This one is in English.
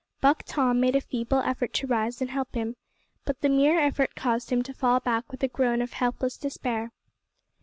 Buck Tom made a feeble effort to rise and help him, but the mere effort caused him to fall back with a groan of helpless despair.